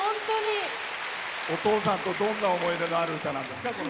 お父さんとどんな思い出のある歌なんですか？